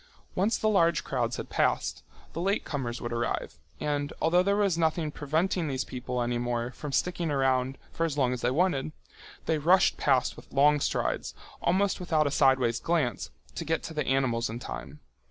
Once the large crowds had passed, the late comers would arrive, and although there was nothing preventing these people any more from sticking around for as long as they wanted, they rushed past with long strides, almost without a sideways glance, to get to the animals in time.